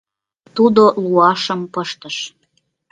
Тудо луашым пыштыш.